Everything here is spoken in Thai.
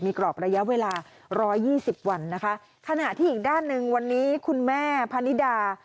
มีกรอบระยะเวลา๑๒๐วันนะคะขณะที่อีกด้านหนึ่งวันนี้คุณแม่พนิดา